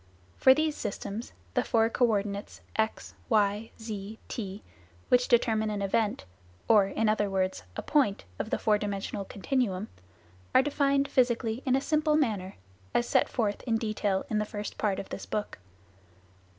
For these systems, the four co ordinates x, y, z, t, which determine an event or in other words, a point of the four dimensional continuum are defined physically in a simple manner, as set forth in detail in the first part of this book.